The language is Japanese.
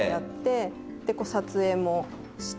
あ！で撮影もして。